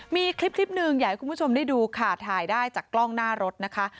มีคลิปหนึ่งอยากให้คุณผู้ชมได้ดูค่ะถ่ายได้จากกล้องหน้ารถนะคะ